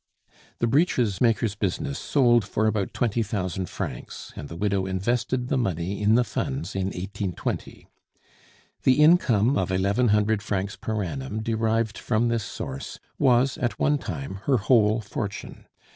The breeches maker's business sold for about twenty thousand francs, and the widow invested the money in the Funds in 1820. The income of eleven hundred francs per annum derived from this source was, at one time, her whole fortune.